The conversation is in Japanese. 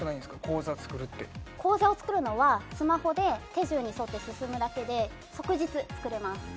口座作るって口座を作るのはスマホで手順に沿って進むだけで即日作れます